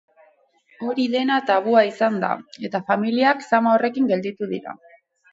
Hori dena tabua izan da, eta familiak zama horrekin gelditu dira.